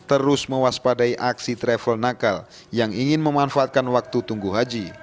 terus mewaspadai aksi travel nakal yang ingin memanfaatkan waktu tunggu haji